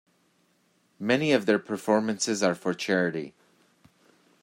Many of their performances are for charity.